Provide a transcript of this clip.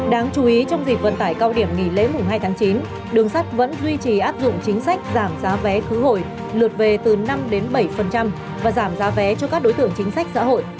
đáng chú ý trong dịp vận tải cao điểm nghỉ lễ mùng hai tháng chín đường sắt vẫn duy trì áp dụng chính sách giảm giá vé khứ hồi lượt về từ năm bảy và giảm giá vé cho các đối tượng chính sách xã hội